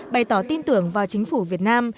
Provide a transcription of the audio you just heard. bày tỏ tin tưởng vào chính phủ việt nam